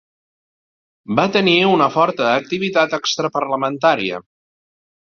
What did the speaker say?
Va tenir una forta activitat extraparlamentària.